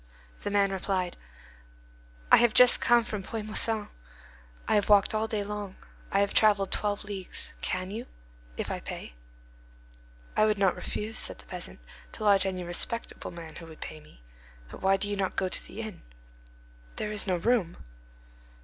The man replied: "I have just come from Puy Moisson. I have walked all day long. I have travelled twelve leagues. Can you?—if I pay?" "I would not refuse," said the peasant, "to lodge any respectable man who would pay me. But why do you not go to the inn?" "There is no room."